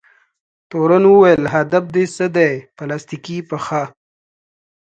تورن وویل: هدف دې څه دی؟ پلاستیکي پښه؟